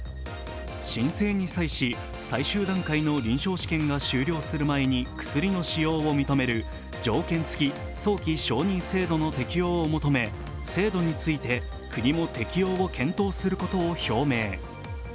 申請に際し、最終段階の臨床試験が終了する前に薬の使用を認める条件付き早期承認制度の適用を求め、制度について、国も適用を検討することを表明。